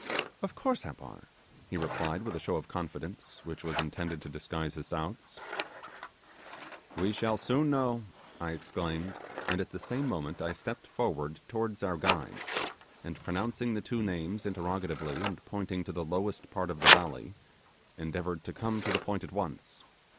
'Of course Happar,' he replied, with a show of confidence which was intended to disguise his doubts. 'We shall soon know,' I exclaimed; and at the same moment I stepped forward towards our guides, and pronouncing the two names interrogatively and pointing to the lowest part of the valley, endeavoured to come to the point at once.